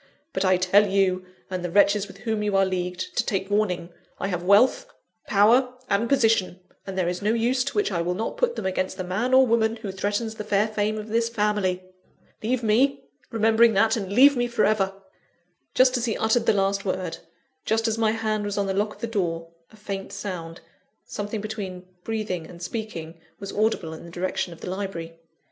But I tell you, and the wretches with whom you are leagued, to take warning: I have wealth, power, and position; and there is no use to which I will not put them against the man or woman who threatens the fair fame of this family. Leave me, remembering that and leave me for ever!" Just as he uttered the last word, just as my hand was on the lock of the door, a faint sound something between breathing and speaking was audible in the direction of the library.